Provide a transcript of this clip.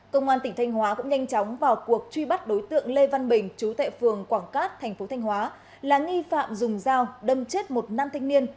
công an tỉnh thanh hóa cũng nhanh chóng vào cuộc truy bắt đối tượng lê văn bình chú tệ phường quảng cát thành phố thanh hóa là nghi phạm dùng dao đâm chết một nam thanh niên